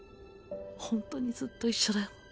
ほんとにずっと一緒だよ。